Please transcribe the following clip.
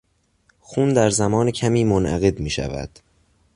خون در زمان کمی منعقد میشود.